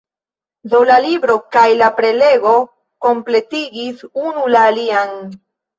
Do, la libro kaj la prelego kompletigis unu la alian.